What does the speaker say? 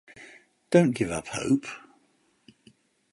Don’t give up hope.